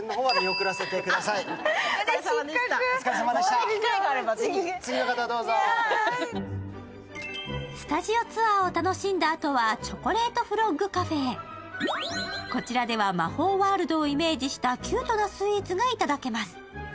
ここで失格スタジオツアーを楽しんだあとは、チョコレートフロッグカフェへこちらでは魔法ワールドをイメージしたキュートなスイーツがいただけます。